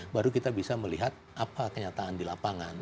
baru kita bisa melihat apa kenyataan di lapangan